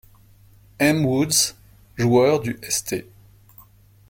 M Woods, joueur du St.